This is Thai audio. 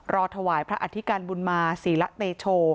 ถวายพระอธิการบุญมาศรีละเตโช